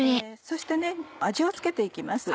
そして味を付けて行きます。